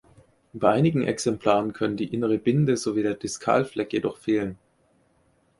Bei einigen Exemplaren können die innere Binde sowie der Diskalfleck jedoch fehlen.